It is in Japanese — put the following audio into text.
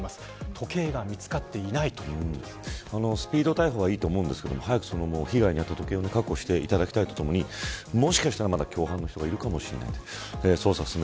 時計が見つかっていないスピード逮捕はいいと思いますが被害に遭った時計を確保していただきたいとともにもしかしたら共犯の人がいるかもしれない。